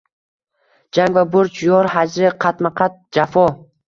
Jang va burch… Yor hajri… Qatma-qat jafo.